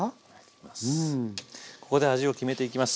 ここで味を決めていきます。